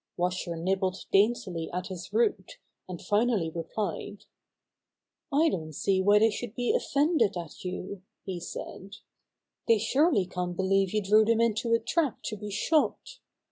Washer nibbled daintily at his root, and finally replied : "I don't see why they should be offended at you," he said. "They surely can't believe you drew them into a trap to be shot.